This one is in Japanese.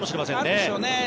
なるでしょうね。